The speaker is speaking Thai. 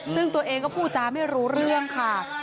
ซึ่งตัวเองก็พูดจ้าไม่รู้เรื่องค่ะ